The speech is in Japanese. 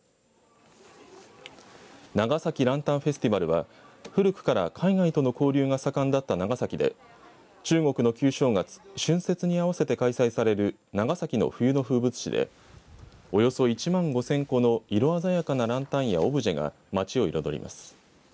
長崎ランタンフェスティバルは古くから海外との交流が盛んだった長崎で中国の旧正月、春節に合わせて開催される長崎の冬の風物詩でおよそ１万５０００個の色鮮やかなランタンやオブジェが街を彩ります。